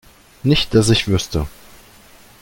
Nicht dass ich wüsste.